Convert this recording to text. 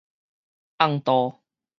甕肚